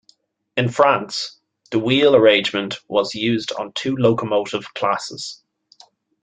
In France, the wheel arrangement was used on two locomotive classes.